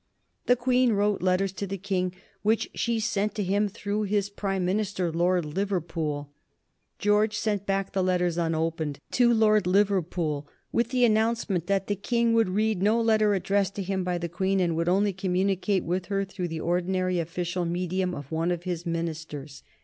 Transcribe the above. The Queen wrote letters to the King which she sent to him through his Prime Minister, Lord Liverpool. George sent back the letters unopened to Lord Liverpool, with the announcement that the King would read no letter addressed to him by the Queen, and would only communicate with her through the ordinary official medium of one of his ministers.